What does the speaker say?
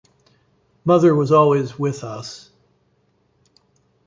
Mother was always with us...